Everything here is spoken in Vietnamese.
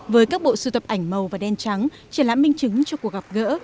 với các bộ sưu tập ảnh màu và đen trắng triển lãm minh chứng cho cuộc gặp gỡ